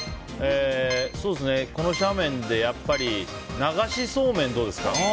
この斜面で流しそうめんどうですか？